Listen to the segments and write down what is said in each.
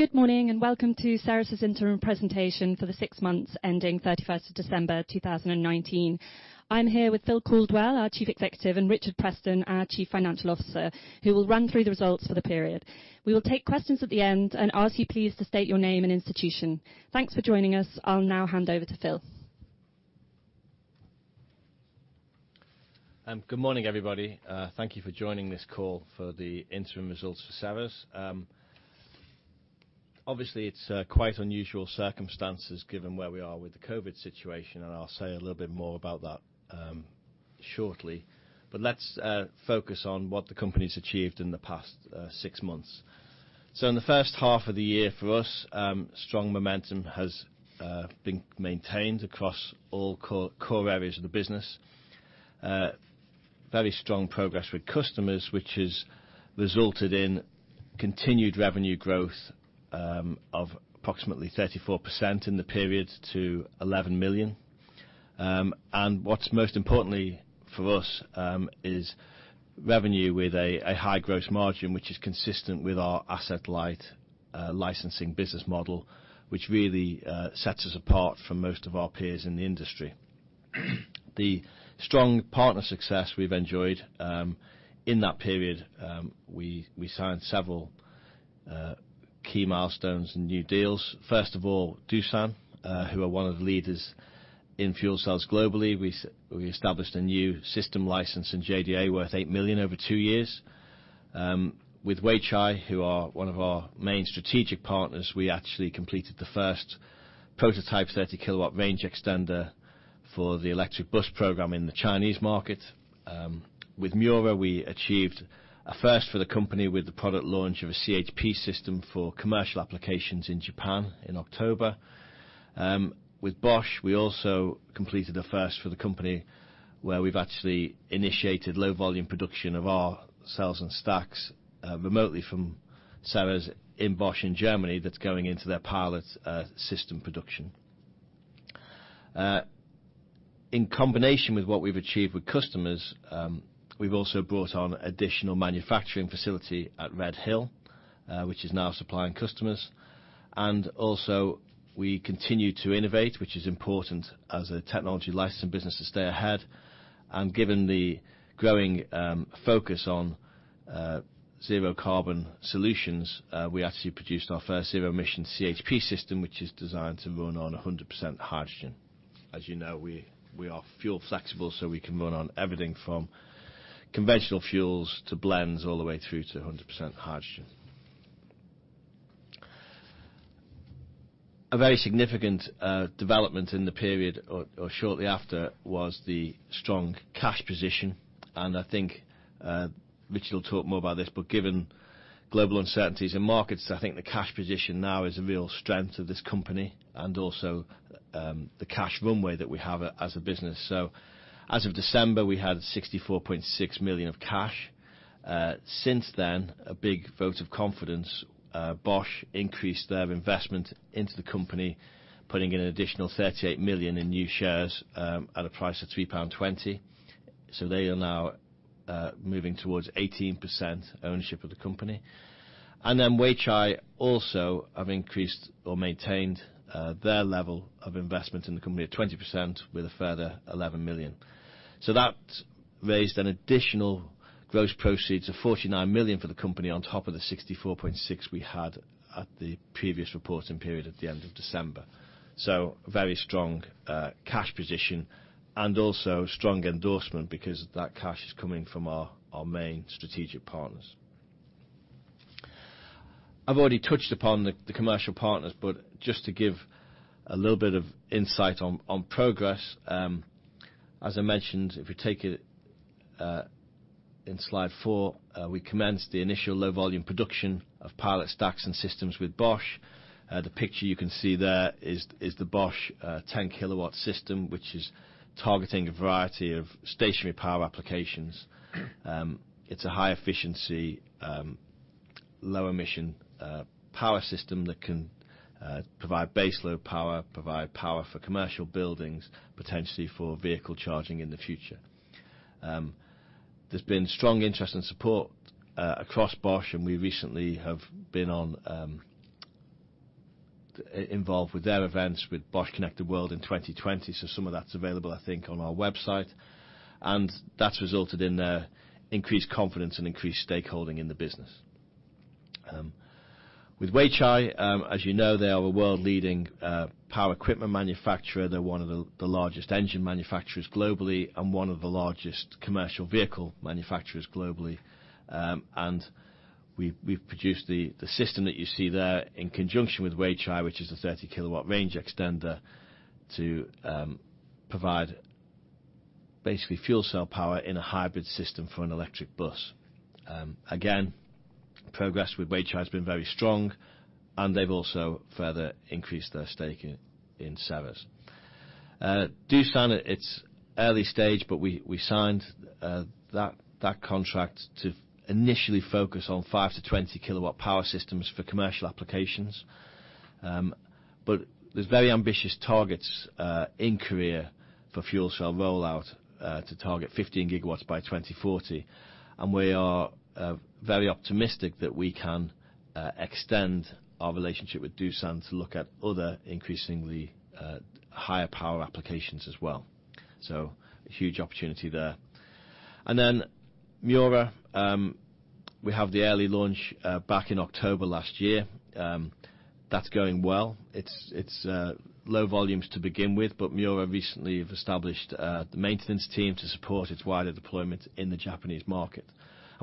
Good morning, welcome to Ceres' interim presentation for the six months ending 31st of December 2019. I'm here with Phil Caldwell, our Chief Executive, and Richard Preston, our Chief Financial Officer, who will run through the results for the period. We will take questions at the end and ask you please to state your name and institution. Thanks for joining us. I'll now hand over to Phil. Good morning, everybody. Thank you for joining this call for the interim results for Ceres. It's quite unusual circumstances given where we are with the COVID situation, and I'll say a little bit more about that shortly. Let's focus on what the company's achieved in the past six months. In the first half of the year, for us, strong momentum has been maintained across all core areas of the business. Very strong progress with customers, which has resulted in continued revenue growth of approximately 34% in the period to 11 million. What's most importantly for us is revenue with a high gross margin, which is consistent with our asset-light licensing business model, which really sets us apart from most of our peers in the industry. The strong partner success we've enjoyed, in that period, we signed several key milestones and new deals. First of all, Doosan, who are one of the leaders in fuel cells globally. We established a new system license in JDA worth 8 million over two years. With Weichai, who are one of our main strategic partners, we actually completed the first prototype 30 kW range extender for the electric bus program in the Chinese market. With Miura, we achieved a first for the company with the product launch of a CHP system for commercial applications in Japan in October. With Bosch, we also completed a first for the company where we've actually initiated low-volume production of our cells and stacks remotely from Ceres in Bosch in Germany that's going into their pilot system production. In combination with what we've achieved with customers, we've also brought on additional manufacturing facility at Redhill, which is now supplying customers. We continue to innovate, which is important as a technology licensing business to stay ahead. Given the growing focus on zero carbon solutions, we actually produced our first zero-emission CHP system, which is designed to run on 100% hydrogen. As you know, we are fuel flexible, we can run on everything from conventional fuels to blends all the way through to 100% hydrogen. A very significant development in the period or shortly after, was the strong cash position. I think Richard will talk more about this, given global uncertainties in markets, I think the cash position now is a real strength of this company and also the cash runway that we have as a business. As of December, we had 64.6 million of cash. Since then, a big vote of confidence, Bosch increased their investment into the company, putting in an additional 38 million in new shares at a price of 3.20 pound. They are now moving towards 18% ownership of the company. Weichai also have increased or maintained their level of investment in the company at 20% with a further 11 million. That raised an additional gross proceeds of 49 million for the company on top of the 64.6 million we had at the previous reporting period at the end of December. Very strong cash position and also strong endorsement because that cash is coming from our main strategic partners. I've already touched upon the commercial partners, but just to give a little bit of insight on progress, as I mentioned, if you take it in slide four, we commenced the initial low-volume production of pilot stacks and systems with Bosch. The picture you can see there is the Bosch 10 kW system, which is targeting a variety of stationary power applications. It's a high-efficiency, low-emission, power system that can provide baseload power, provide power for commercial buildings, potentially for vehicle charging in the future. There's been strong interest and support across Bosch, and we recently have been involved with their events with Bosch ConnectedWorld in 2020, so some of that's available, I think, on our website. That's resulted in their increased confidence and increased stakeholding in the business. With Weichai, as you know, they are a world-leading power equipment manufacturer. They're one of the largest engine manufacturers globally and one of the largest commercial vehicle manufacturers globally. We've produced the system that you see there in conjunction with Weichai, which is a 30 kW range extender to provide basically fuel cell power in a hybrid system for an electric bus. Again, progress with Weichai has been very strong, and they've also further increased their stake in Ceres. Doosan, it's early stage, but we signed that contract to initially focus on five to 20 kW power systems for commercial applications. There's very ambitious targets in Korea for fuel cell rollout, to target 15 GW by 2040. We are very optimistic that we can extend our relationship with Doosan to look at other increasingly higher power applications as well. A huge opportunity there. Miura, we have the early launch back in October last year. That's going well. It's low volumes to begin with. Miura recently have established the maintenance team to support its wider deployment in the Japanese market.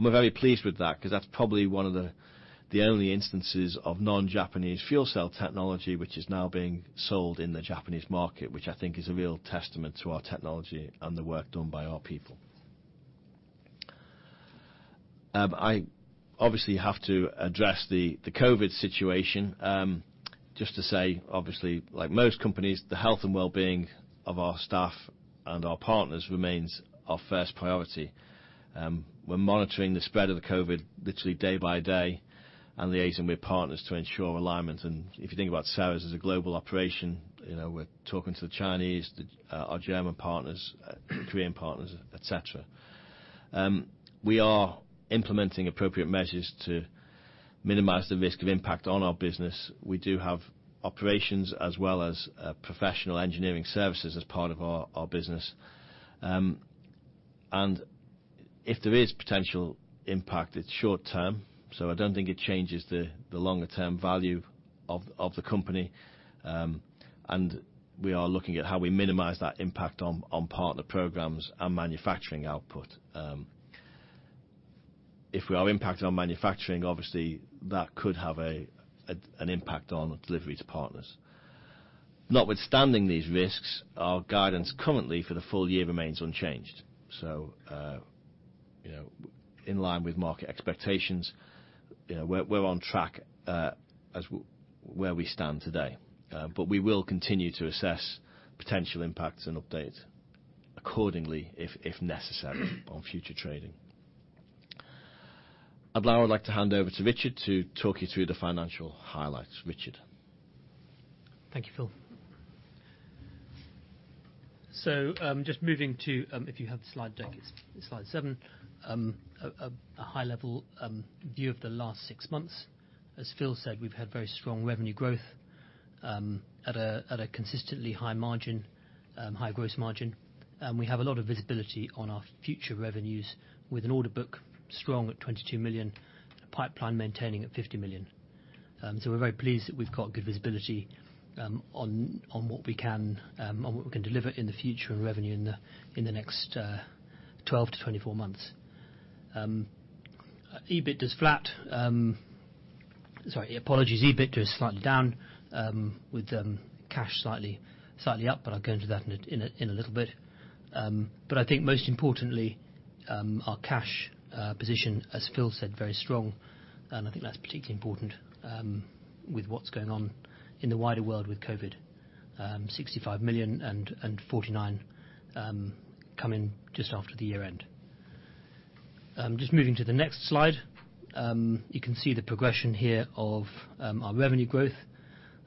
We're very pleased with that, because that's probably one of the only instances of non-Japanese fuel cell technology which is now being sold in the Japanese market, which I think is a real testament to our technology and the work done by our people. I obviously have to address the COVID situation. Just to say, obviously, like most companies, the health and well-being of our staff and our partners remains our first priority. We're monitoring the spread of the COVID literally day by day, and liaising with partners to ensure alignment. If you think about Ceres as a global operation, we're talking to the Chinese, our German partners, Korean partners, et cetera. We are implementing appropriate measures to minimize the risk of impact on our business. We do have operations as well as professional engineering services as part of our business. And if there is potential impact, it's short term, so I don't think it changes the longer-term value of the company. And we are looking at how we minimize that impact on partner programs and manufacturing output. If we are impacted on manufacturing, obviously that could have an impact on delivery to partners. Notwithstanding these risks, our guidance currently for the full year remains unchanged. In line with market expectations, we're on track as where we stand today. We will continue to assess potential impacts and update accordingly if necessary on future trading. I'd now like to hand over to Richard to talk you through the financial highlights. Richard? Thank you, Phil. Just moving to, if you have the slide deck, it's slide seven. A high-level view of the last six months. As Phil said, we've had very strong revenue growth at a consistently high margin, high gross margin. We have a lot of visibility on our future revenues with an order book strong at 22 million, pipeline maintaining at 50 million. We're very pleased that we've got good visibility on what we can deliver in the future of revenue in the next 12-24 months. EBIT is flat. Sorry, apologies. EBIT is slightly down, with cash slightly up. I'll go into that in a little bit. I think most importantly, our cash position, as Phil said, very strong, and I think that's particularly important with what's going on in the wider world with COVID. 65 million and 49 million come in just after the year-end. Just moving to the next slide. You can see the progression here of our revenue growth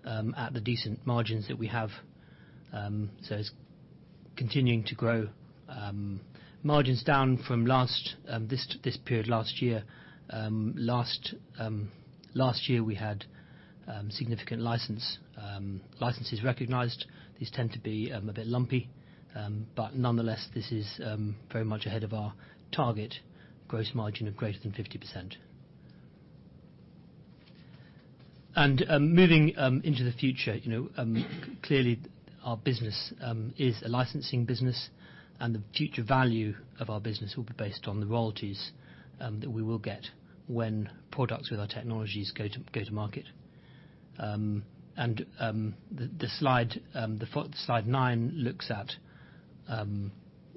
at the decent margins that we have. It's continuing to grow. Margins down from this period last year. Last year, we had significant licenses recognized. These tend to be a bit lumpy. Nonetheless, this is very much ahead of our target gross margin of greater than 50%. Moving into the future, clearly our business is a licensing business, and the future value of our business will be based on the royalties that we will get when products with our technologies go to market. The slide nine looks at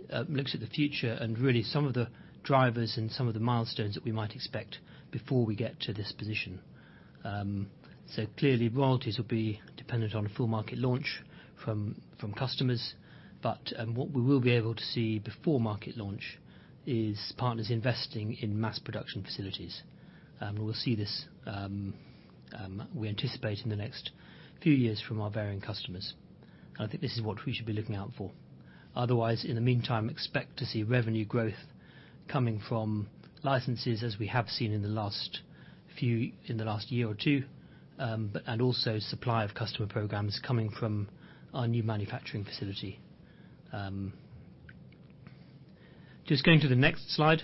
the future and really some of the drivers and some of the milestones that we might expect before we get to this position. Clearly, royalties will be dependent on a full market launch from customers, but what we will be able to see before market launch is partners investing in mass production facilities. We'll see this, we anticipate, in the next few years from our varying customers. I think this is what we should be looking out for. Otherwise, in the meantime, expect to see revenue growth coming from licenses as we have seen in the last year or two, and also supply of customer programs coming from our new manufacturing facility. Just going to the next slide.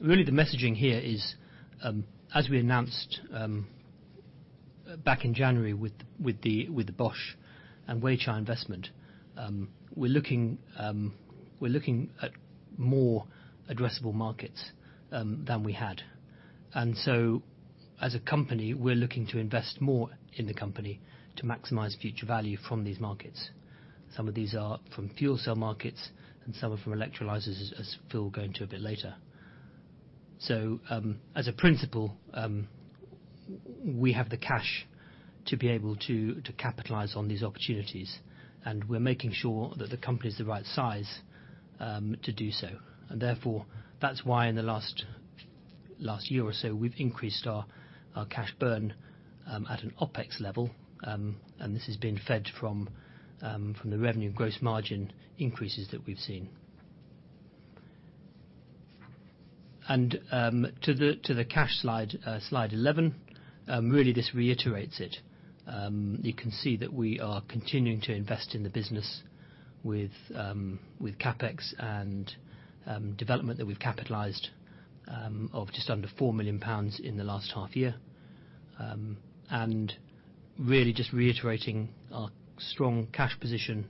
Really the messaging here is, as we announced back in January with the Bosch and Weichai investment, we're looking at more addressable markets than we had. As a company, we're looking to invest more in the company to maximize future value from these markets. Some of these are from fuel cell markets and some are from electrolyzers, as Phil will go into a bit later. As a principle, we have the cash to be able to capitalize on these opportunities, and we're making sure that the company is the right size to do so. Therefore, that's why in the last year or so, we've increased our cash burn at an OpEx level. This has been fed from the revenue gross margin increases that we've seen. To the cash slide 11, really this reiterates it. You can see that we are continuing to invest in the business with CapEx and development that we've capitalized, of just under 4 million pounds in the last half year. Really just reiterating our strong cash position.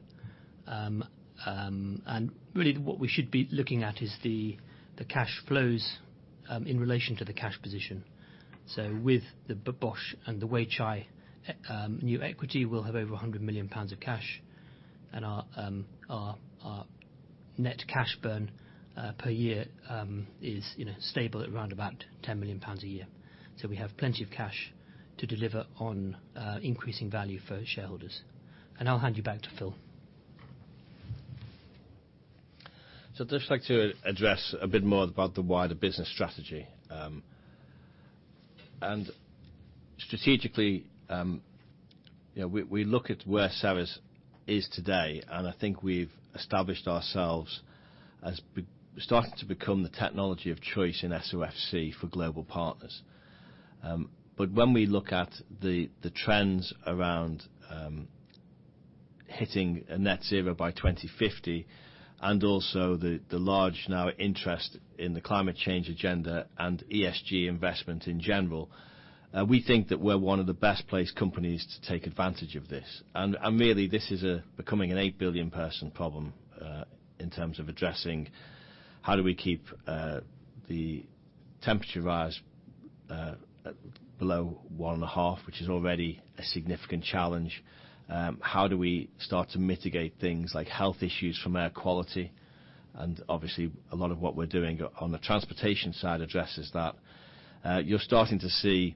Really what we should be looking at is the cash flows, in relation to the cash position. With the Bosch and the Weichai new equity, we'll have over 100 million pounds of cash and our net cash burn per year is stable at around about 10 million pounds a year. We have plenty of cash to deliver on increasing value for shareholders. I'll hand you back to Phil. I'd just like to address a bit more about the wider business strategy. Strategically, we look at where Ceres is today, and I think we've established ourselves as starting to become the technology of choice in SOFC for global partners. When we look at the trends around hitting net zero by 2050, and also the large now interest in the climate change agenda and ESG investment in general, we think that we're one of the best placed companies to take advantage of this. Merely, this is becoming an 8 billion person problem, in terms of addressing how do we keep the temperature rise below one and a half, which is already a significant challenge. How do we start to mitigate things like health issues from air quality? Obviously, a lot of what we're doing on the transportation side addresses that. You're starting to see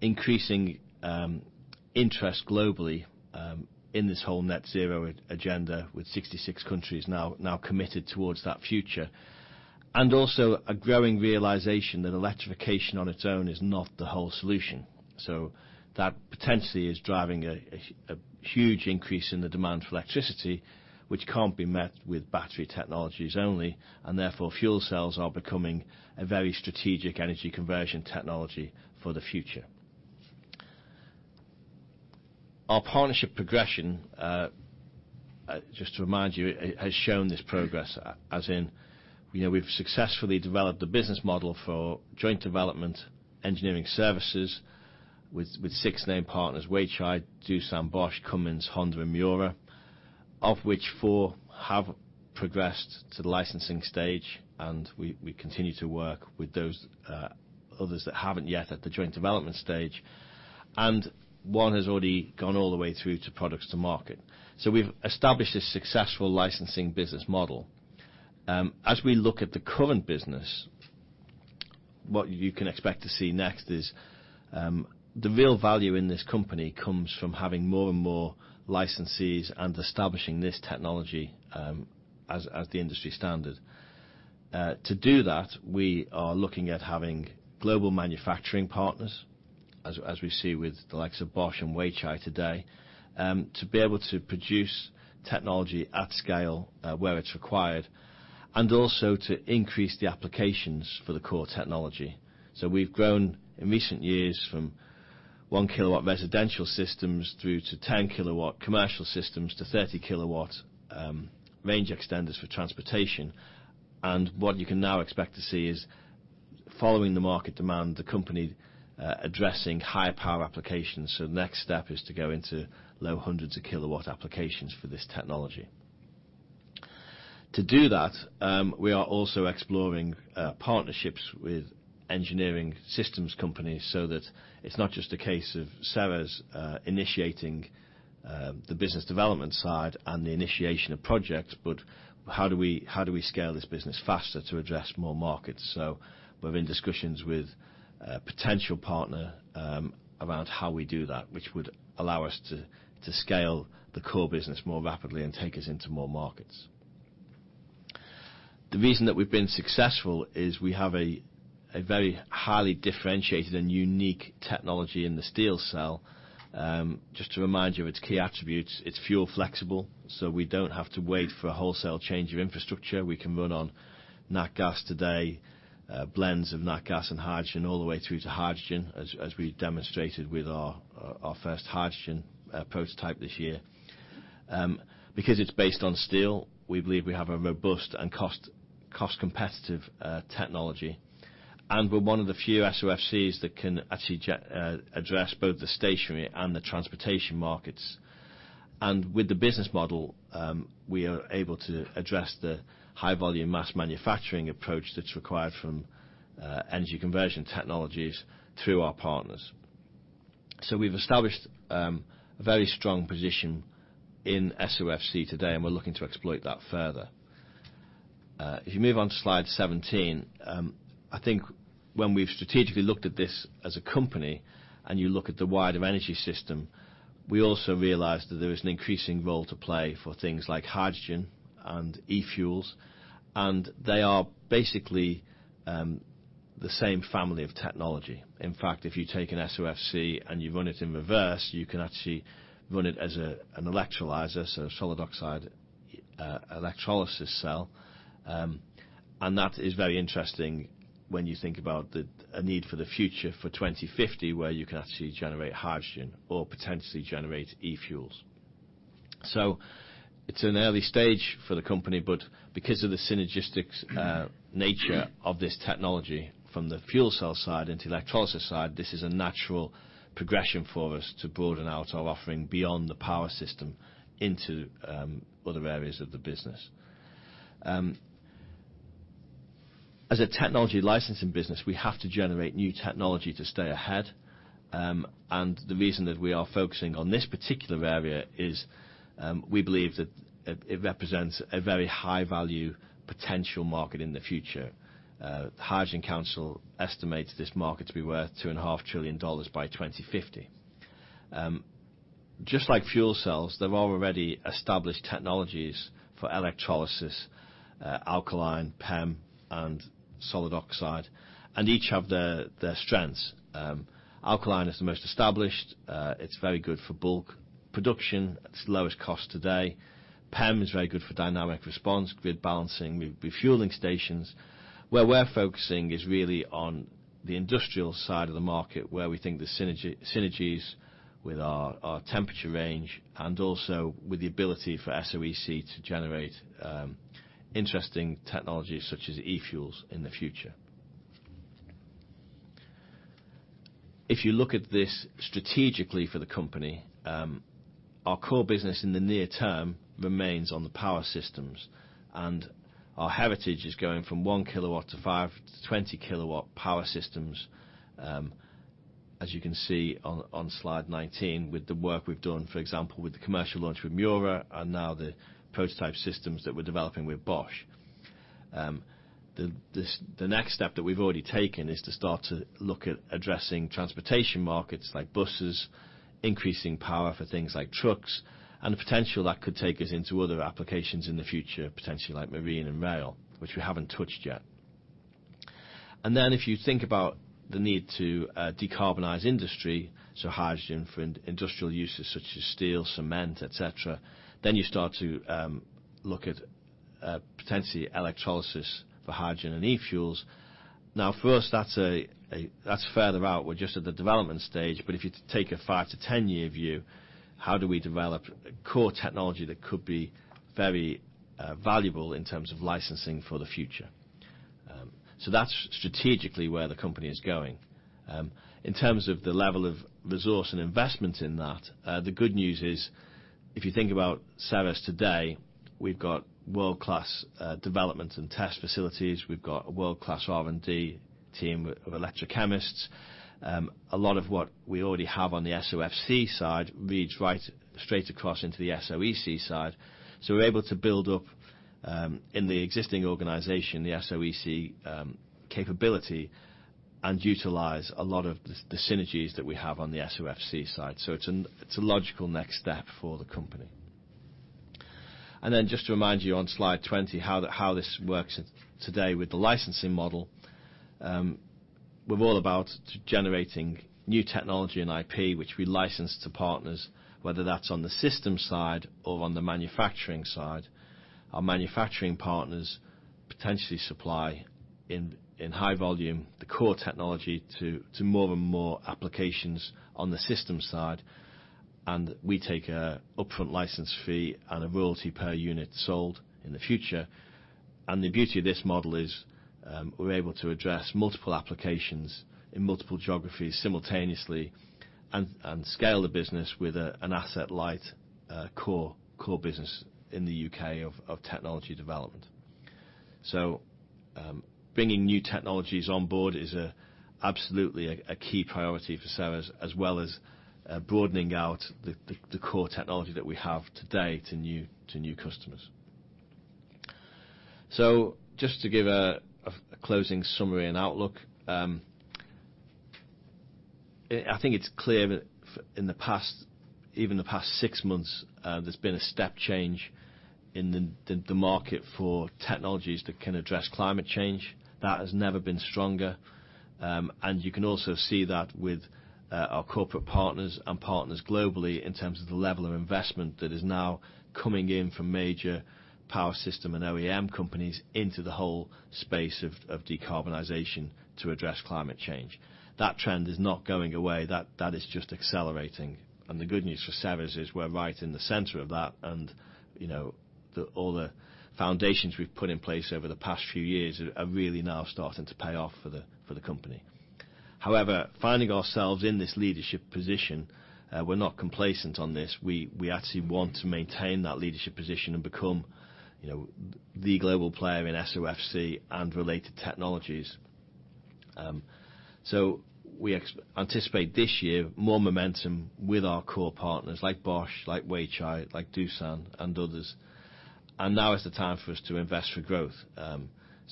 increasing interest globally, in this whole net zero agenda with 66 countries now committed towards that future. Also a growing realization that electrification on its own is not the whole solution. That potentially is driving a huge increase in the demand for electricity, which can't be met with battery technologies only, and therefore fuel cells are becoming a very strategic energy conversion technology for the future. Our partnership progression, just to remind you, has shown this progress, as in, we've successfully developed the business model for joint development engineering services with six name partners, Weichai, Doosan, Bosch, Cummins, Honda, and Miura, of which four have progressed to the licensing stage, and we continue to work with those others that haven't yet at the joint development stage. One has already gone all the way through to products to market. We've established a successful licensing business model. As we look at the current business, what you can expect to see next is, the real value in this company comes from having more and more licensees and establishing this technology as the industry standard. To do that, we are looking at having global manufacturing partners, as we see with the likes of Bosch and Weichai today, to be able to produce technology at scale, where it's required, and also to increase the applications for the core technology. We've grown in recent years from 1 kW residential systems through to 10 kW commercial systems to 30 kW range extenders for transportation. What you can now expect to see is, following the market demand, the company addressing higher power applications. The next step is to go into low hundreds of kilowatt applications for this technology. To do that, we are also exploring partnerships with engineering systems companies so that it's not just a case of Ceres initiating the business development side and the initiation of projects, but how do we scale this business faster to address more markets? We're in discussions with a potential partner around how we do that, which would allow us to scale the core business more rapidly and take us into more markets. The reason that we've been successful is we have a very highly differentiated and unique technology in the SteelCell. Just to remind you of its key attributes, it's fuel flexible, so we don't have to wait for a wholesale change of infrastructure. We can run on nat gas today, blends of nat gas and hydrogen, all the way through to hydrogen, as we demonstrated with our first hydrogen prototype this year. It's based on steel, we believe we have a robust and cost competitive technology. We're one of the few SOFCs that can actually address both the stationary and the transportation markets. With the business model, we are able to address the high volume mass manufacturing approach that's required from energy conversion technologies through our partners. We've established a very strong position in SOFC today, and we're looking to exploit that further. If you move on to slide 17, I think when we've strategically looked at this as a company, and you look at the wider energy system, we also realized that there is an increasing role to play for things like hydrogen and e-fuels. They are basically the same family of technology. In fact, if you take an SOFC and you run it in reverse, you can actually run it as an electrolyzer, so a solid oxide electrolysis cell. That is very interesting when you think about a need for the future for 2050, where you can actually generate hydrogen or potentially generate e-fuels. It's an early stage for the company, but because of the synergistic nature of this technology from the fuel cell side into electrolysis side, this is a natural progression for us to broaden out our offering beyond the power system into other areas of the business. As a technology licensing business, we have to generate new technology to stay ahead. The reason that we are focusing on this particular area is, we believe that it represents a very high-value potential market in the future. The Hydrogen Council estimates this market to be worth $2.5 trillion by 2050. Just like fuel cells, there are already established technologies for electrolysis, alkaline, PEM, and solid oxide, and each have their strengths. Alkaline is the most established. It's very good for bulk production. It's the lowest cost today. PEM is very good for dynamic response, grid balancing with refueling stations. Where we're focusing is really on the industrial side of the market, where we think the synergies with our temperature range and also with the ability for SOEC to generate interesting technologies such as e-fuels in the future. If you look at this strategically for the company, our core business in the near term remains on the power systems, and our heritage is going from one kilowatt to five to 20 kW power systems, as you can see on slide 19 with the work we've done, for example, with the commercial launch with Miura and now the prototype systems that we're developing with Bosch. The next step that we've already taken is to start to look at addressing transportation markets like buses, increasing power for things like trucks, and the potential that could take us into other applications in the future, potentially like marine and rail, which we haven't touched yet. If you think about the need to decarbonize industry, so hydrogen for industrial uses such as steel, cement, et cetera, then you start to look at potentially electrolysis for hydrogen and e-fuels. For us, that's further out. We're just at the development stage. If you take a 5-10 year view, how do we develop a core technology that could be very valuable in terms of licensing for the future? That's strategically where the company is going. In terms of the level of resource and investment in that, the good news is, if you think about Ceres today, we've got world-class development and test facilities. We've got a world-class R&D team of electrochemists. A lot of what we already have on the SOFC side reads right straight across into the SOEC side. We're able to build up, in the existing organization, the SOEC capability and utilize a lot of the synergies that we have on the SOFC side. It's a logical next step for the company. Just to remind you on slide 20, how this works today with the licensing model. We're all about generating new technology and IP, which we license to partners, whether that's on the system side or on the manufacturing side. Our manufacturing partners potentially supply in high volume the core technology to more and more applications on the system side, we take an upfront license fee and a royalty per unit sold in the future. The beauty of this model is, we're able to address multiple applications in multiple geographies simultaneously and scale the business with an asset-light core business in the U.K. of technology development. Bringing new technologies on board is absolutely a key priority for Ceres, as well as broadening out the core technology that we have today to new customers. Just to give a closing summary and outlook. I think it's clear that even the past six months, there's been a step change in the market for technologies that can address climate change. That has never been stronger. You can also see that with our corporate partners and partners globally in terms of the level of investment that is now coming in from major power system and OEM companies into the whole space of decarbonization to address climate change. That trend is not going away. That is just accelerating. The good news for Ceres is we're right in the center of that and all the foundations we've put in place over the past few years are really now starting to pay off for the company. However, finding ourselves in this leadership position, we're not complacent on this. We actually want to maintain that leadership position and become the global player in SOFC and related technologies. We anticipate this year more momentum with our core partners like Bosch, like Weichai, like Doosan and others, and now is the time for us to invest for growth.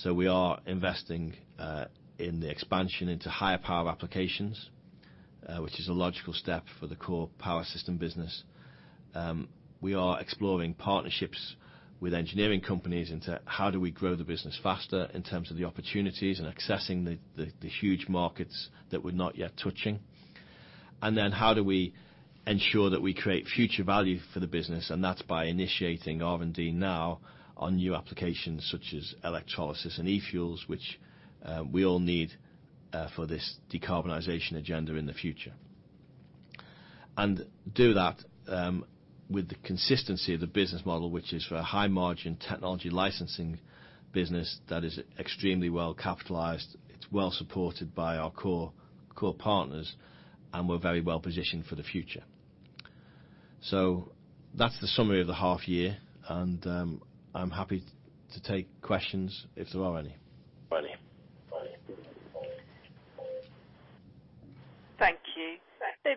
We are investing in the expansion into higher power applications, which is a logical step for the core power system business. We are exploring partnerships with engineering companies into how do we grow the business faster in terms of the opportunities and accessing the huge markets that we're not yet touching. How do we ensure that we create future value for the business? That's by initiating R&D now on new applications such as electrolysis and e-fuels, which we all need for this decarbonization agenda in the future. Do that with the consistency of the business model, which is for a high margin technology licensing business that is extremely well capitalized, it's well supported by our core partners, and we're very well positioned for the future. That's the summary of the half year, and I'm happy to take questions if there are any.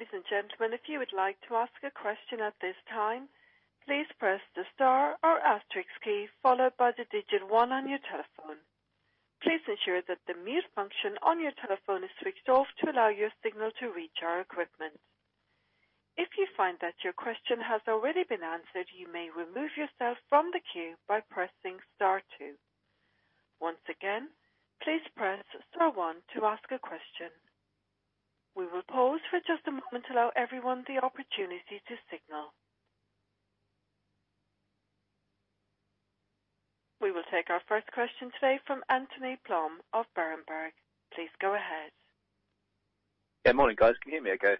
Thank you. Ladies and gentlemen, if you would like to ask a question at this time, please press the star or asterisk key followed by the digit one on your telephone. Please ensure that the mute function on your telephone is switched off to allow your signal to reach our equipment. If you find that your question has already been answered, you may remove yourself from the queue by pressing star two. Once again, please press star one to ask a question. We will pause for just a moment to allow everyone the opportunity to signal. We will take our first question today from Anthony Plom of Berenberg. Please go ahead. Yeah, morning, guys. Can you hear me okay?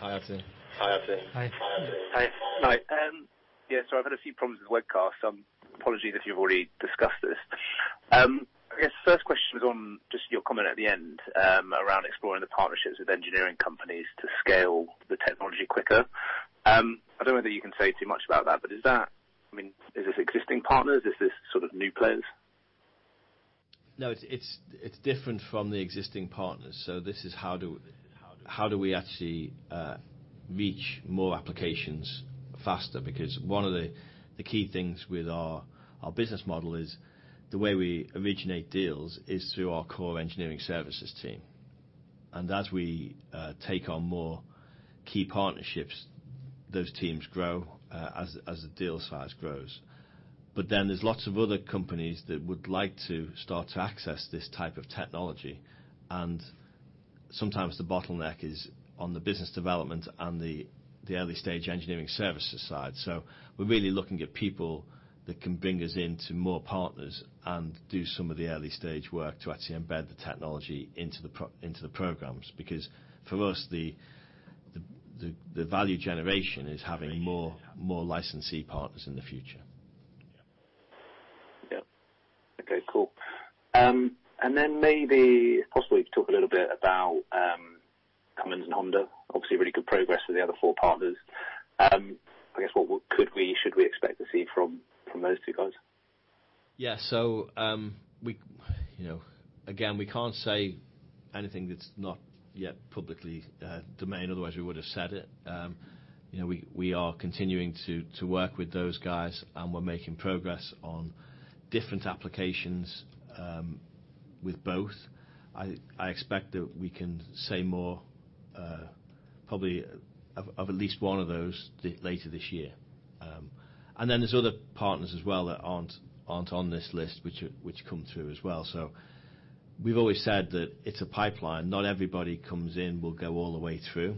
Hi, Anthony. Hi, Anthony. Hi. Yeah, I've had a few problems with the webcast, apologies if you've already discussed this. I guess the first question is on just your comment at the end, around exploring the partnerships with engineering companies to scale the technology quicker. I don't know whether you can say too much about that, is this existing partners? Is this sort of new players? No, it's different from the existing partners. This is how do we actually reach more applications faster? One of the key things with our business model is the way we originate deals is through our core engineering services team. As we take on more key partnerships, those teams grow, as the deal size grows. There's lots of other companies that would like to start to access this type of technology, and sometimes the bottleneck is on the business development and the early-stage engineering services side. We're really looking at people that can bring us into more partners and do some of the early-stage work to actually embed the technology into the programs. For us, the value generation is having more licensee partners in the future. Yeah. Okay, cool. Maybe, possibly talk a little bit about Cummins and Honda. Obviously, really good progress with the other four partners. I guess, what could we, should we expect to see from those two guys? Again, we can't say anything that's not yet public domain, otherwise we would've said it. We are continuing to work with those guys, and we're making progress on different applications, with both. I expect that we can say more, probably of at least one of those later this year. There's other partners as well that aren't on this list, which come through as well. We've always said that it's a pipeline. Not everybody comes in, will go all the way through.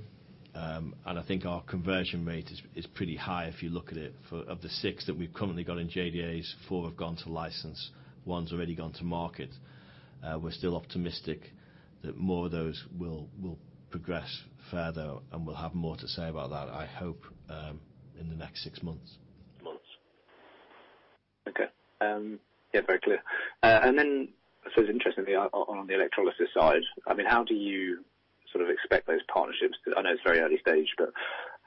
I think our conversion rate is pretty high if you look at it, of the six that we've currently got in JDAs, four have gone to license, one's already gone to market. We're still optimistic that more of those will progress further and we'll have more to say about that, I hope, in the next six months. Okay. Yeah, very clear. It's interesting on the electrolysis side, how do you expect those partnerships, because I know it's very early stage, but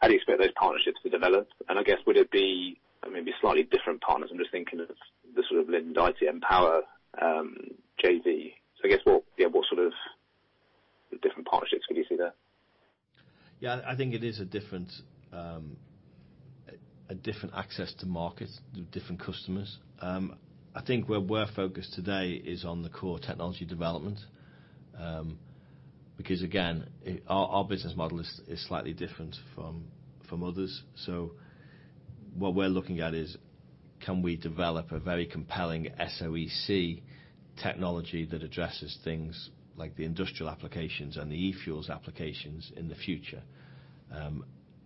how do you expect those partnerships to develop? I guess would it be maybe slightly different partners? I'm just thinking of the sort of Linde, ITM Power, JV. I guess what sort of different partnerships could you see there? Yeah, I think it is a different access to markets with different customers. I think where we're focused today is on the core technology development, because again, our business model is slightly different from others. What we're looking at is can we develop a very compelling SOEC technology that addresses things like the industrial applications and the e-fuels applications in the future?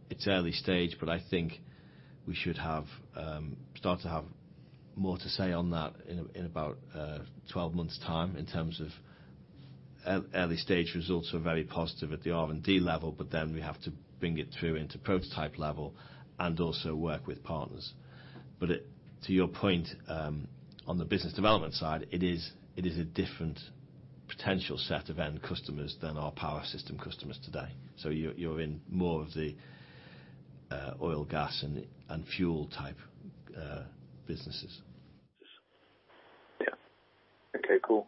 It's early stage, but I think we should start to have more to say on that in about 12 months time in terms of early stage results are very positive at the R&D level, but then we have to bring it through into prototype level and also work with partners. To your point, on the business development side, it is a different potential set of end customers than our power system customers today. You're in more of Oil, gas, and fuel type businesses. Yeah. Okay, cool.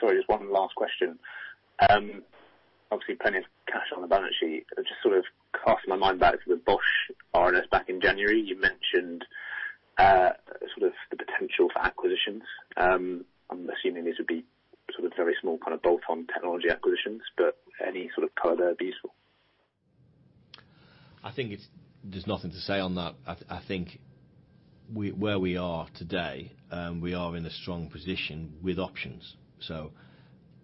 Sorry, just one last question. Obviously, plenty of cash on the balance sheet. Just casting my mind back to the Bosch RNS back in January, you mentioned the potential for acquisitions. I'm assuming these would be very small kind of bolt-on technology acquisitions, but any color there would be useful. I think there's nothing to say on that. I think where we are today, we are in a strong position with options.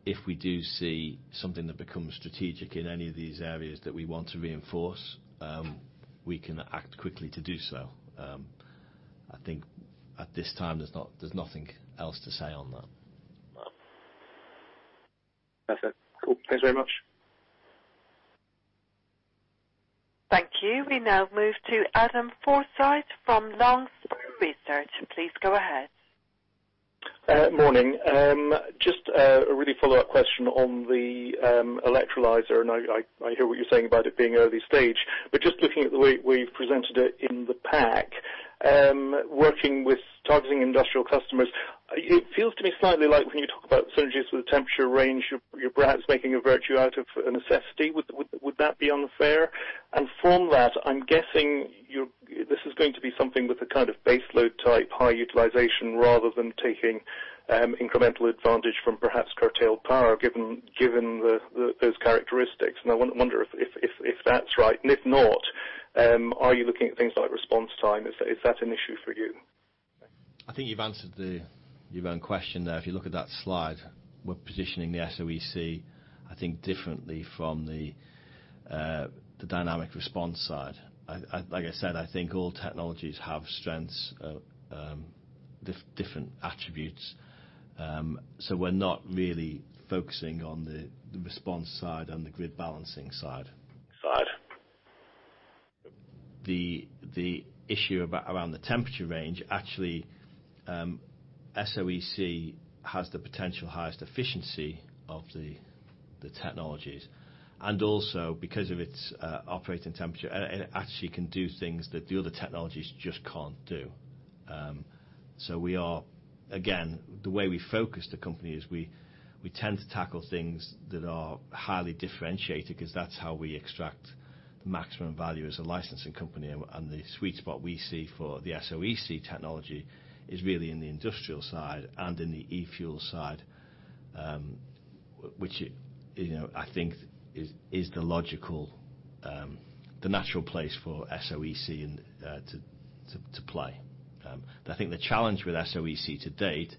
If we do see something that becomes strategic in any of these areas that we want to reinforce, we can act quickly to do so. I think at this time, there's nothing else to say on that. No. That's it. Cool. Thanks very much. Thank you. We now move to Adam Forsyth from Longspur Research. Please go ahead. Morning. Just a really follow-up question on the electrolyser, I hear what you're saying about it being early stage, but just looking at the way you've presented it in the pack, working with targeting industrial customers, it feels to me slightly like when you talk about synergies with the temperature range, you're perhaps making a virtue out of a necessity. Would that be unfair? From that, I'm guessing this is going to be something with a kind of baseload-type high utilization rather than taking incremental advantage from perhaps curtailed power, given those characteristics. I wonder if that's right. If not, are you looking at things like response time? Is that an issue for you? I think you've answered your own question there. If you look at that slide, we're positioning the SOEC, I think, differently from the dynamic response side. Like I said, I think all technologies have strengths, different attributes. We're not really focusing on the response side and the grid balancing side. Side. The issue around the temperature range, actually, SOEC has the potential highest efficiency of the technologies. Also, because of its operating temperature, it actually can do things that the other technologies just can't do. We are, again, the way we focus the company is we tend to tackle things that are highly differentiated because that's how we extract the maximum value as a licensing company. The sweet spot we see for the SOEC technology is really in the industrial side and in the e-fuel side, which I think is the logical, natural place for SOEC to play. I think the challenge with SOEC to date,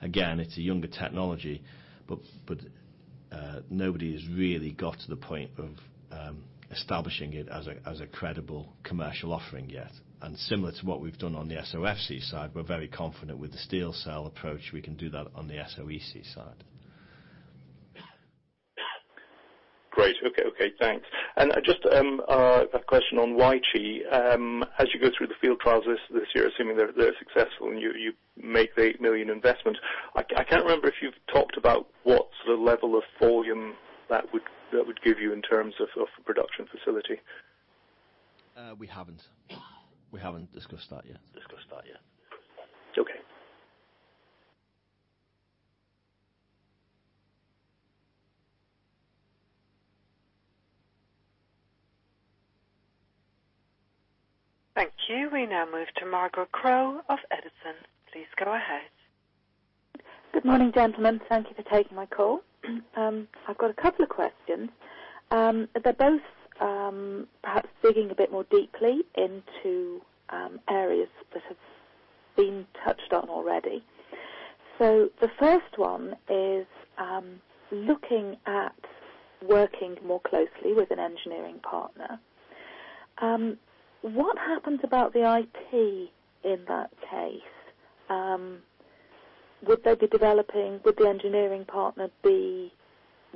again, it's a younger technology, but nobody has really got to the point of establishing it as a credible commercial offering yet. Similar to what we've done on the SOFC side, we're very confident with the SteelCell approach, we can do that on the SOEC side. Great. Okay, thanks. Just a question on Weichai. As you go through the field trials this year, assuming they're successful and you make the 8 million investment, I can't remember if you've talked about what level of volume that would give you in terms of a production facility. We haven't. We haven't discussed that yet. It's okay. Thank you. We now move to Margaret Crowe of Edison. Please go ahead. Good morning, gentlemen. Thank you for taking my call. I've got a couple of questions. They're both perhaps digging a bit more deeply into areas that have been touched on already. The first one is looking at working more closely with an engineering partner. What happens about the IP in that case? Would the engineering partner be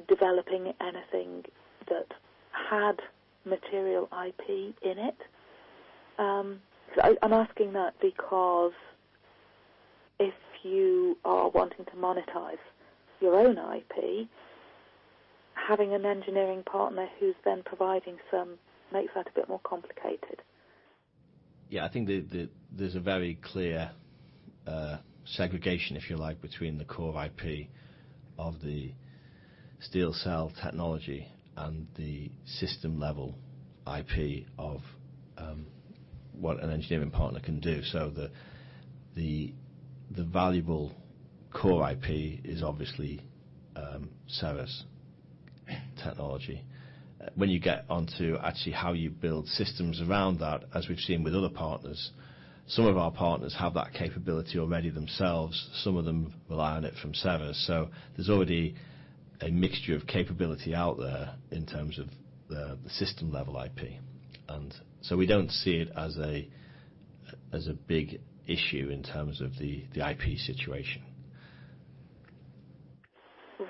developing anything that had material IP in it? I'm asking that because if you are wanting to monetize your own IP, having an engineering partner who's then providing some makes that a bit more complicated. Yeah, I think there's a very clear segregation, if you like, between the core IP of the SteelCell technology and the system-level IP of what an engineering partner can do, so that the valuable core IP is obviously Ceres technology. When you get onto actually how you build systems around that, as we've seen with other partners, some of our partners have that capability already themselves. Some of them rely on it from Ceres. There's already a mixture of capability out there in terms of the system-level IP. We don't see it as a big issue in terms of the IP situation.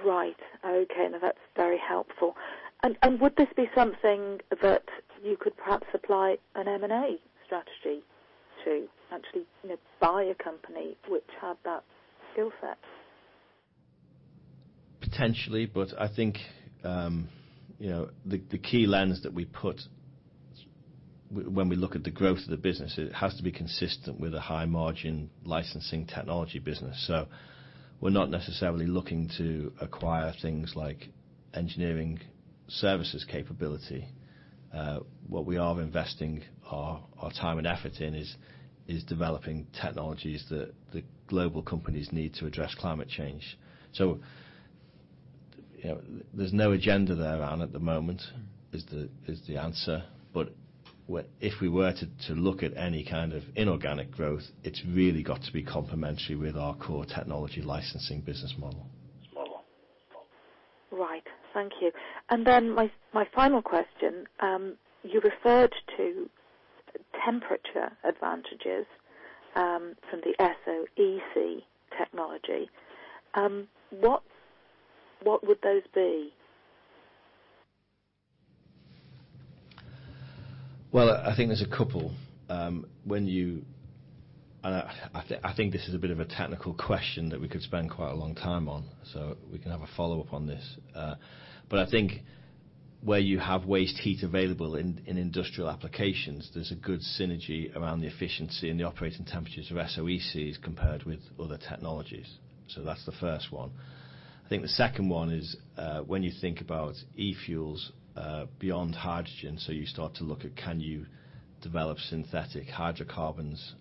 Right. Okay, now that's very helpful. Would this be something that you could perhaps apply an M&A strategy to actually buy a company which had that skill set? Potentially, I think the key lens that we put when we look at the growth of the business, it has to be consistent with a high-margin licensing technology business. We're not necessarily looking to acquire things like engineering services capability. What we are investing our time and effort in is developing technologies that global companies need to address climate change. There's no agenda there, Anne, at the moment, is the answer. If we were to look at any kind of inorganic growth, it's really got to be complementary with our core technology licensing business model. Right. Thank you. My final question, you referred to temperature advantages from the SOEC technology. What would those be? I think there's a couple. I think this is a bit of a technical question that we could spend quite a long time on, so we can have a follow-up on this. I think where you have waste heat available in industrial applications, there's a good synergy around the efficiency and the operating temperatures of SOECs compared with other technologies. That's the first one. I think the second one is when you think about e-fuels, beyond hydrogen, so you start to look at can you develop synthetic hydrocarbons,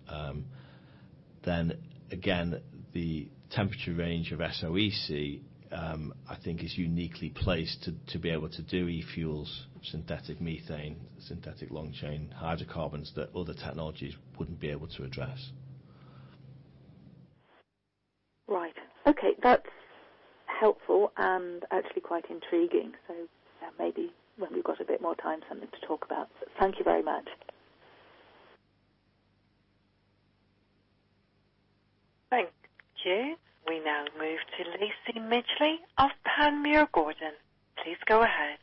then again, the temperature range of SOEC, I think is uniquely placed to be able to do e-fuels, synthetic methane, synthetic long-chain hydrocarbons that other technologies wouldn't be able to address. Right. Okay. That's helpful and actually quite intriguing. Maybe when we've got a bit more time, something to talk about. Thank you very much. Thank you. We now move to Lacie Midgley of Panmure Gordon. Please go ahead.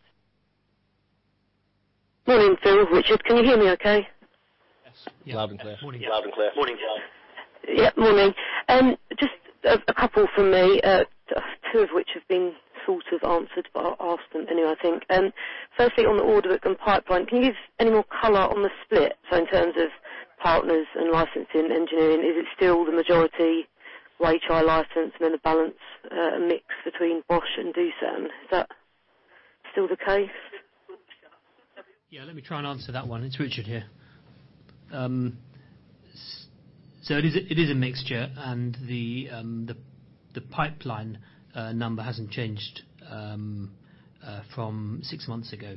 Morning, Phil, Richard. Can you hear me okay? Yes. Loud and clear. Morning. Morning. Just a couple from me, two of which have been sort of answered, but I'll ask them anyway, I think. Firstly, on the order book and pipeline, can you give any more color on the split, so in terms of partners and licensing engineering, is it still the majority Weichai license and then the balance, a mix between Bosch and Doosan? Is that still the case? Yeah, let me try and answer that one. It's Richard here. It is a mixture, and the pipeline number hasn't changed from six months ago.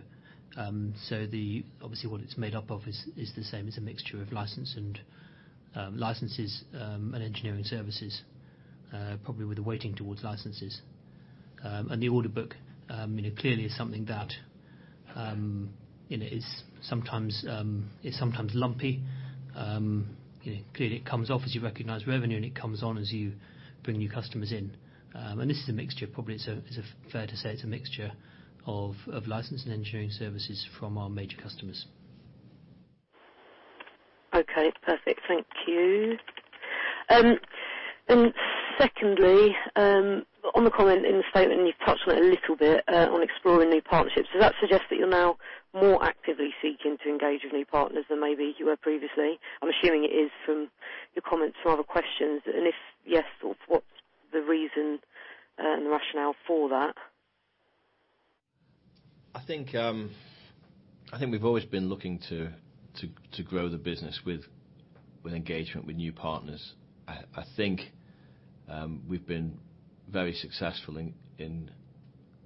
Obviously, what it's made up of is the same as a mixture of licenses and engineering services, probably with a weighting towards licenses. The order book, clearly is something that is sometimes lumpy. Clearly, it comes off as you recognize revenue, and it comes on as you bring new customers in. This is a mixture, probably it's fair to say it's a mixture of license and engineering services from our major customers. Okay. Perfect. Thank you. Secondly, on the comment in the statement, and you've touched on it a little bit, on exploring new partnerships. Does that suggest that you're now more actively seeking to engage with new partners than maybe you were previously? I'm assuming it is from your comments from other questions. If yes, what's the reason and the rationale for that? I think we've always been looking to grow the business with engagement with new partners. I think we've been very successful in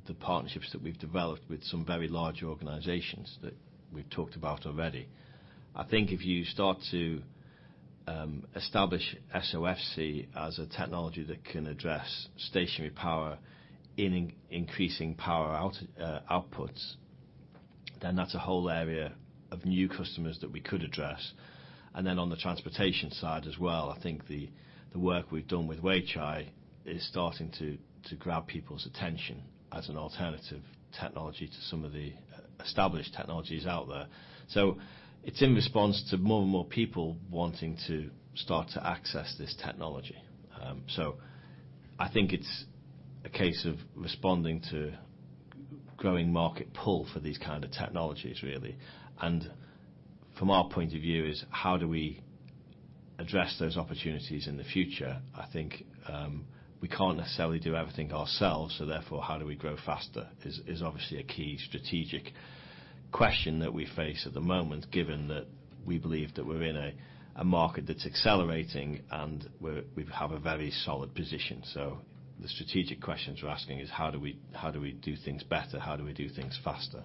the partnerships that we've developed with some very large organizations that we've talked about already. I think if you start to establish SOFC as a technology that can address stationary power in increasing power outputs, then that's a whole area of new customers that we could address. On the transportation side as well, I think the work we've done with Weichai is starting to grab people's attention as an alternative technology to some of the established technologies out there. It's in response to more and more people wanting to start to access this technology. I think it's a case of responding to growing market pull for these kind of technologies, really. From our point of view is how do we address those opportunities in the future? I think we can't necessarily do everything ourselves, so therefore, how do we grow faster is obviously a key strategic question that we face at the moment, given that we believe that we're in a market that's accelerating and we have a very solid position. The strategic questions we're asking is how do we do things better? How do we do things faster?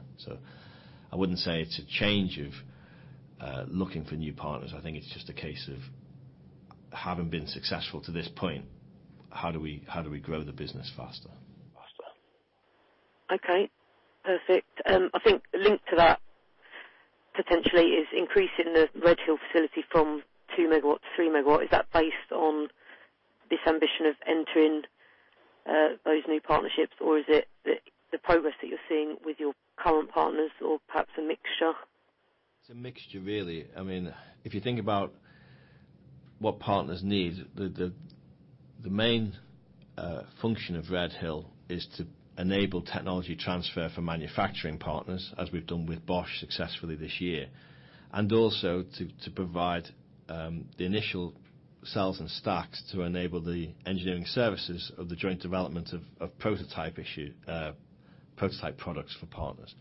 I wouldn't say it's a change of looking for new partners. I think it's just a case of having been successful to this point, how do we grow the business faster? Okay. Perfect. I think linked to that potentially is increasing the Redhill facility from two MW to three MW. Is that based on this ambition of entering those new partnerships, or is it the progress that you're seeing with your current partners, or perhaps a mixture? What partners need, the main function of Redhill is to enable technology transfer for manufacturing partners, as we've done with Bosch successfully this year. Also to provide the initial cells and stacks to enable the engineering services of the joint development of prototype products for partners.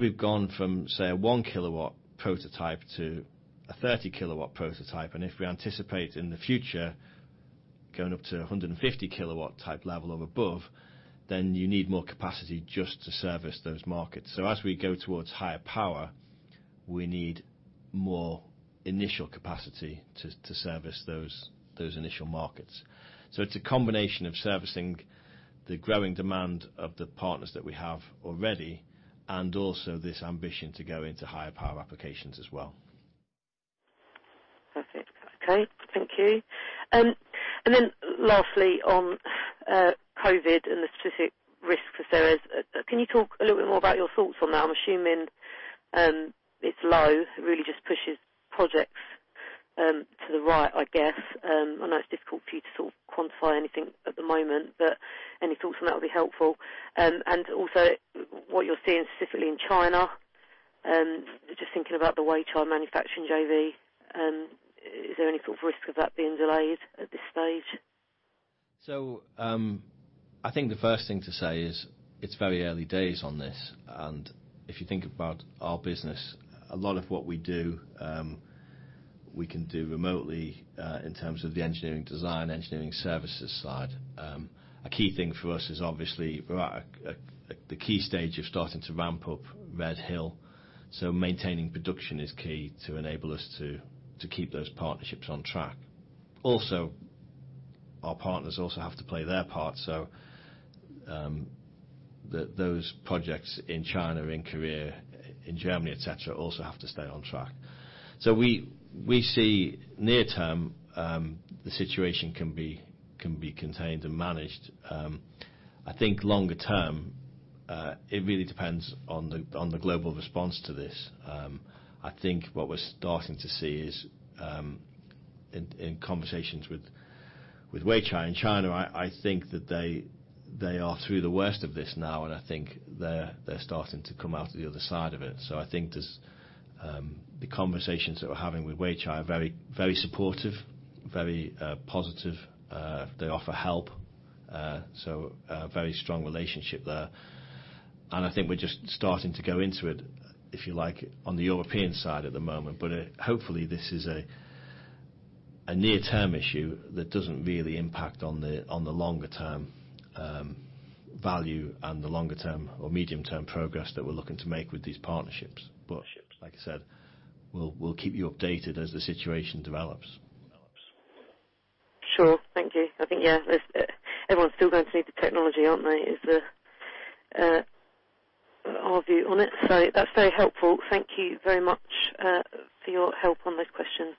We've gone from, say, a one kW prototype to a 30 kW prototype, if we anticipate in the future going up to 150 kW type level or above, you need more capacity just to service those markets. We go towards higher power, we need more initial capacity to service those initial markets. It's a combination of servicing the growing demand of the partners that we have already and also this ambition to go into higher power applications as well. Perfect. Okay. Thank you. Lastly, on COVID and the specific risk for Ceres, can you talk a little bit more about your thoughts on that? I'm assuming it's low, it really just pushes projects to the right, I guess. I know it's difficult for you to sort of quantify anything at the moment, but any thoughts on that would be helpful. Also what you're seeing specifically in China, just thinking about the Weichai manufacturing JV, is there any sort of risk of that being delayed at this stage? I think the first thing to say is, it's very early days on this, and if you think about our business, a lot of what we do, we can do remotely, in terms of the engineering design, engineering services side. A key thing for us is obviously we're at the key stage of starting to ramp up Redhill, so maintaining production is key to enable us to keep those partnerships on track. Our partners also have to play their part, so those projects in China, in Korea, in Germany, et cetera, also have to stay on track. We see near-term, the situation can be contained and managed. I think longer term, it really depends on the global response to this. I think what we're starting to see is, in conversations with Weichai in China, I think that they are through the worst of this now, and I think they're starting to come out the other side of it. I think the conversations that we're having with Weichai are very supportive, very positive. They offer help, so a very strong relationship there. I think we're just starting to go into it, if you like, on the European side at the moment. Hopefully this is a near-term issue that doesn't really impact on the longer-term value and the longer-term or medium-term progress that we're looking to make with these partnerships. Like I said, we'll keep you updated as the situation develops. Sure. Thank you. I think, yeah, everyone's still going to need the technology, aren't they? Is our view on it. That's very helpful. Thank you very much, for your help on those questions.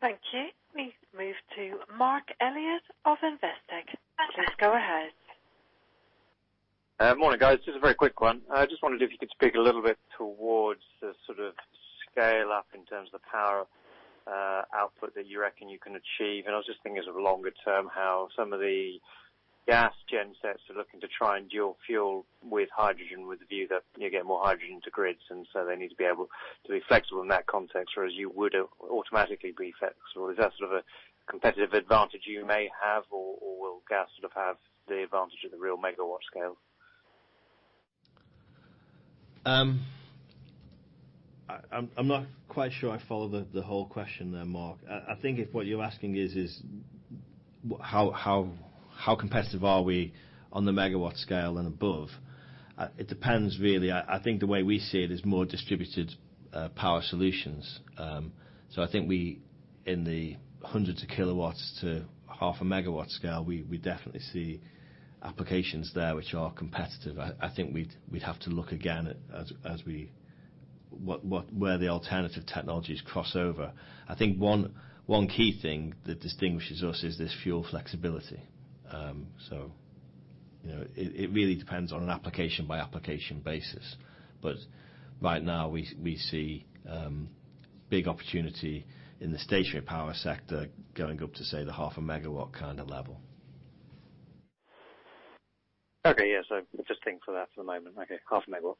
Thank you. We move to Mark Elliott of Investec. Please go ahead. Morning, guys. Just a very quick one. I just wondered if you could speak a little bit towards the sort of scale-up in terms of the power output that you reckon you can achieve. I was just thinking as of longer-term, how some of the gas gensets are looking to try and dual fuel with hydrogen, with the view that you get more hydrogen to grids. They need to be able to be flexible in that context, whereas you would automatically be flexible. Is that sort of a competitive advantage you may have? Will gas sort of have the advantage of the real megawatt scale? I'm not quite sure I follow the whole question there, Mark. I think if what you're asking is, how competitive are we on the megawatt scale and above? It depends really. I think the way we see it is more distributed power solutions. I think we, in the hundreds of kilowatts to half a megawatt scale, we definitely see applications there which are competitive. I think we'd have to look again at where the alternative technologies cross over. I think one key thing that distinguishes us is this fuel flexibility. It really depends on an application-by-application basis. Right now we see big opportunity in the stationary power sector going up to, say, the half a megawatt kind of level. Okay. Yeah. Just think for that for the moment. Okay. Half a megawatt.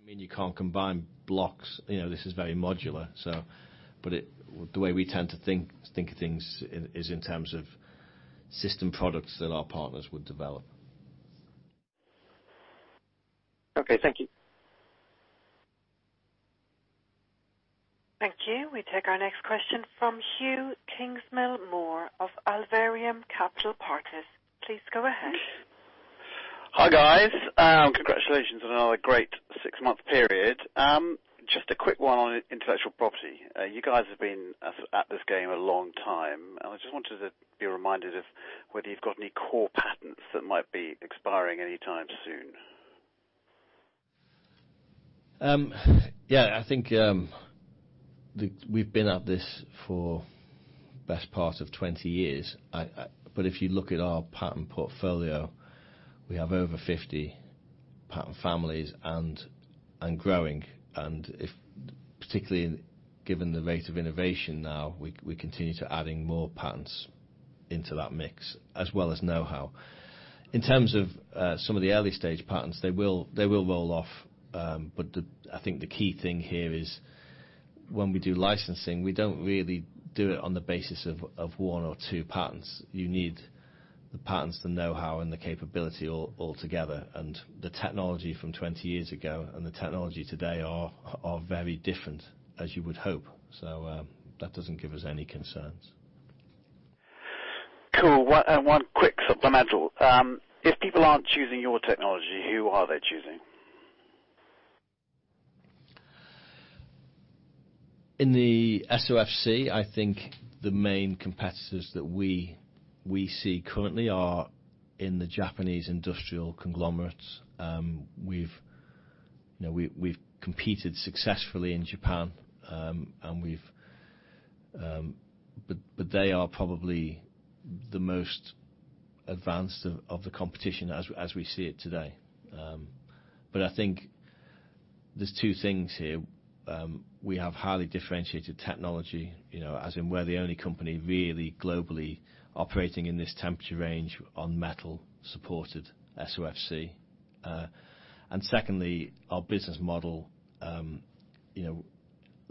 I mean, you can't combine blocks. This is very modular. The way we tend to think of things is in terms of system products that our partners would develop. Okay. Thank you. Thank you. We take our next question from Hugh Kingsmill Moore of Alvarium Capital Partners. Please go ahead. Hi, guys. Congratulations on another great six-month period. Just a quick one on intellectual property. You guys have been at this game a long time. I just wanted to be reminded of whether you've got any core patents that might be expiring anytime soon. I think, We've been at this for the best part of 20 years. If you look at our patent portfolio, we have over 50 patent families and growing. Particularly given the rate of innovation now, we continue to adding more patents into that mix as well as know-how. In terms of some of the early-stage patents, they will roll off. I think the key thing here is when we do licensing, we don't really do it on the basis of one or two patents. You need the patents, the know-how, and the capability all together. The technology from 20 years ago and the technology today are very different, as you would hope. That doesn't give us any concerns. Cool. One quick supplemental. If people aren't choosing your technology, who are they choosing? In the SOFC, I think the main competitors that we see currently are in the Japanese industrial conglomerates. We've competed successfully in Japan, they are probably the most advanced of the competition as we see it today. I think there's two things here. We have highly differentiated technology, as in we're the only company really globally operating in this temperature range on metal-supported SOFC. Secondly, our business model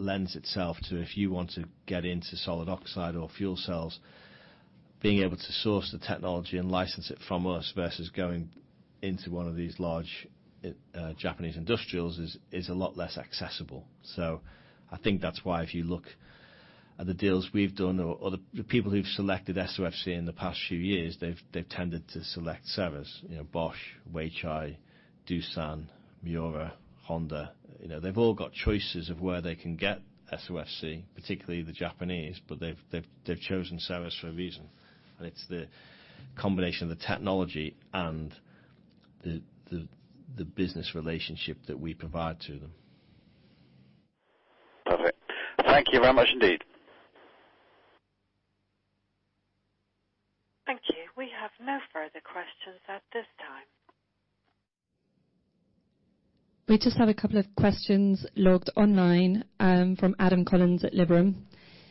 lends itself to if you want to get into solid oxide or fuel cells, being able to source the technology and license it from us versus going into one of these large Japanese industrials is a lot less accessible. I think that's why if you look at the deals we've done or the people who've selected SOFC in the past few years, they've tended to select Ceres. Bosch, Weichai, Doosan, Miura, Honda. They've all got choices of where they can get SOFC, particularly the Japanese, but they've chosen Ceres for a reason. It's the combination of the technology and the business relationship that we provide to them. Perfect. Thank you very much indeed. Thank you. We have no further questions at this time. We just have a couple of questions logged online from Adam Collins at Liberum.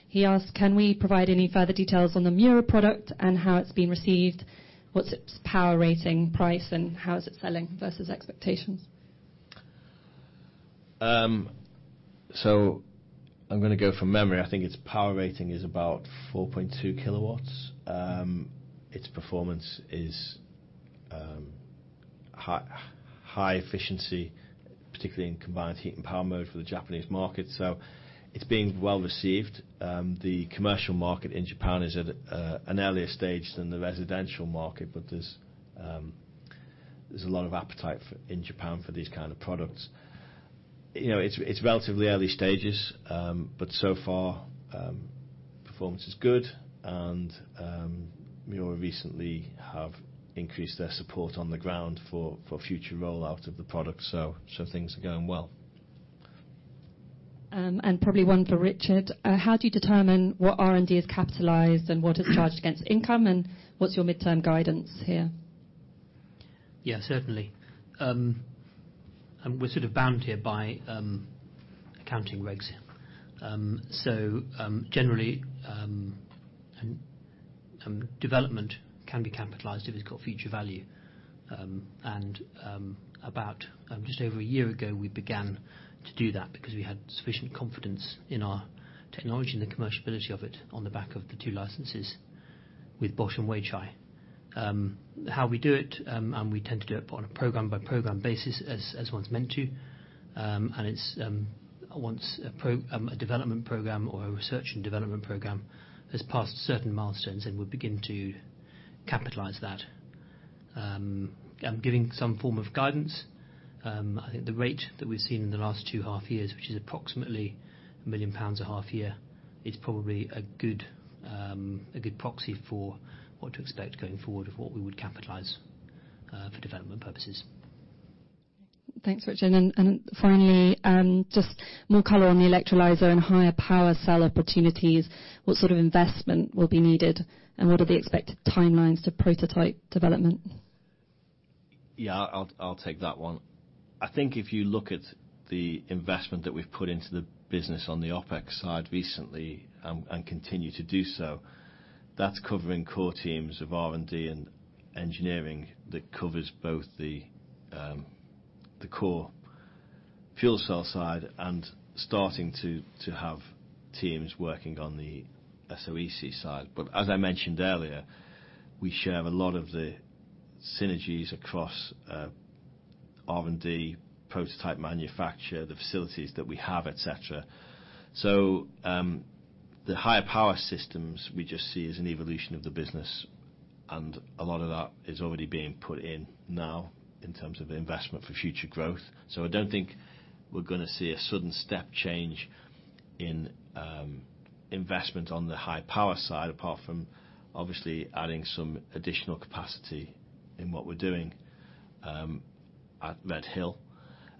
He asked, can we provide any further details on the Miura product and how it's been received? What's its power rating price, and how is it selling versus expectations? I'm going to go from memory. I think its power rating is about 4.2 kW. Its performance is high efficiency, particularly in combined heat and power mode for the Japanese market. It's being well-received. The commercial market in Japan is at an earlier stage than the residential market, but there's a lot of appetite in Japan for these kind of products. It's relatively early stages. So far, performance is good, and Miura recently have increased their support on the ground for future rollout of the product. Things are going well. Probably one for Richard. How do you determine what R&D is capitalized and what is charged against income, and what's your midterm guidance here? Yeah, certainly. We're sort of bound here by accounting regs. Generally, development can be capitalized if it's got future value. About just over one year ago, we began to do that because we had sufficient confidence in our technology and the commercial ability of it on the back of the two licenses with Bosch and Weichai. How we do it, and we tend to do it on a program-by-program basis as one's meant to. Once a development program or a research and development program has passed certain milestones, then we begin to capitalize that. Giving some form of guidance, I think the rate that we've seen in the last two half years, which is approximately 1 million pounds a half year, is probably a good proxy for what to expect going forward of what we would capitalize for development purposes. Thanks, Richard. Finally, just more color on the electrolyzer and higher power cell opportunities. What sort of investment will be needed, and what are the expected timelines to prototype development? Yeah, I'll take that one. I think if you look at the investment that we've put into the business on the OpEx side recently and continue to do so, that's covering core teams of R&D and engineering that covers both the core fuel cell side and starting to have teams working on the SOEC side. As I mentioned earlier, we share a lot of the synergies across R&D, prototype manufacture, the facilities that we have, et cetera. The higher power systems we just see as an evolution of the business, and a lot of that is already being put in now in terms of investment for future growth. I don't think we're going to see a sudden step change in investment on the high power side, apart from obviously adding some additional capacity in what we're doing at Redhill.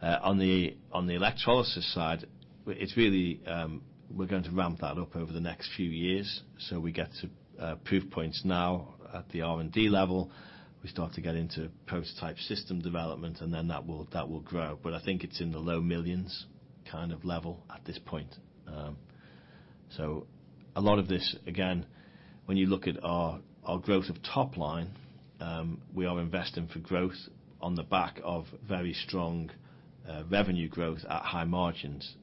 On the electrolysis side, we're going to ramp that up over the next few years. We get to proof points now at the R&D level. We start to get into prototype system development, and then that will grow. I think it's in the low millions kind of level at this point. A lot of this, again, when you look at our growth of top line, we are investing for growth on the back of very strong revenue growth at high margins.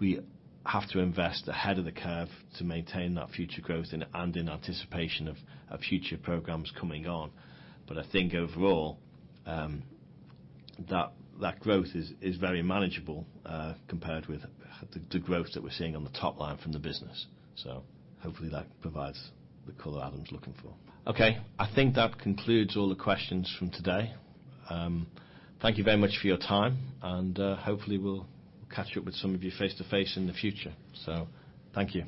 We have to invest ahead of the curve to maintain that future growth and in anticipation of future programs coming on. I think overall, that growth is very manageable, compared with the growth that we're seeing on the top line from the business. Hopefully that provides the color Adam's looking for. Okay. I think that concludes all the questions from today. Thank you very much for your time, and hopefully we'll catch up with some of you face-to-face in the future. Thank you.